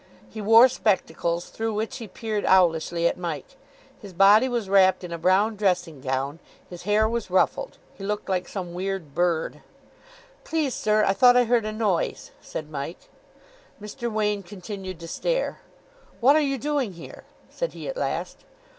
He wore spectacles, through which he peered owlishly at Mike. His body was wrapped in a brown dressing gown. His hair was ruffled. He looked like some weird bird. "Please, sir, I thought I heard a noise," said Mike. Mr. Wain continued to stare. "What are you doing here?" said he at last.